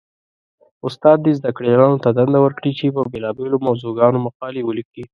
استاد دې زده کړيالانو ته دنده ورکړي؛ چې په بېلابېلو موضوعګانو مقالې وليکي.